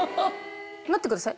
待ってください。